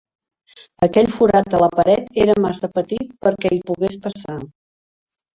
Aquell forat a la paret era massa petit per que hi pogués passar.